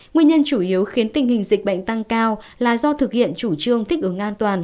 nguyên nhân chủ yếu khiến tình hình dịch bệnh tăng cao là do thực hiện chủ trương thích ứng an toàn